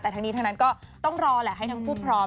แต่ทั้งนี้ทั้งนั้นก็ต้องรอแหละให้ทั้งคู่พร้อม